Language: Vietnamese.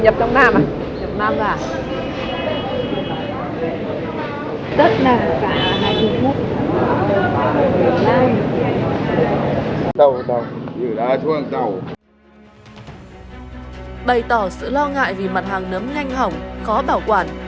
phóng viên chương trình thực phẩm sạch hay bẩn bày tỏ sự lo ngại vì mặt hàng nấm nhanh hỏng khó bảo quản